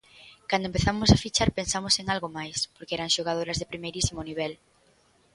Cando empezamos a fichar pensamos en algo máis, porque eran xogadoras de primeirísimo nivel.